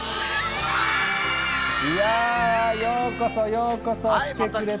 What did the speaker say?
いやぁ、ようこそ、ようこそ来てくれた。